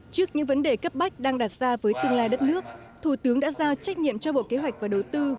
trước những vấn đề cấp bách đang đặt ra với tương lai đất nước thủ tướng đã giao trách nhiệm cho bộ kế hoạch và đầu tư